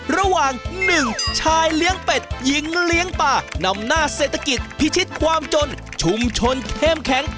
ระหว่าง๑ชายเลี้ยงเป็ดหญิงเลี้ยงปลานำหน้าเศรษฐกิจพิชิตความจนชุมชนเข้มแข็ง